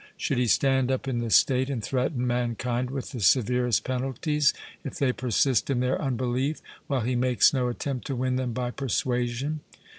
Should he stand up in the state and threaten mankind with the severest penalties if they persist in their unbelief, while he makes no attempt to win them by persuasion?